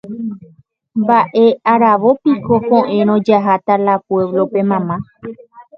Mba'e aravópiko ko'ẽrõ jaháta la pueblope mama.